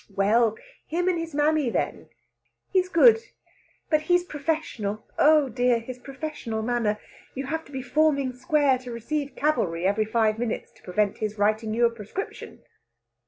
"Well him and his mammy, then! He's good but he's professional. Oh dear his professional manner! You have to be forming square to receive cavalry every five minutes to prevent his writing you a prescription."